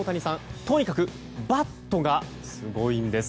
とにかくバットがすごいんです。